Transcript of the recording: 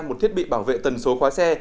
một thiết bị bảo vệ tần số khóa xe